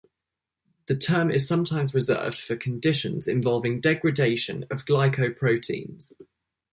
The term is sometimes reserved for conditions involving degradation of glycoproteins.